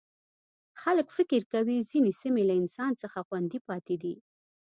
خلک فکر کوي ځینې سیمې له انسان څخه خوندي پاتې دي.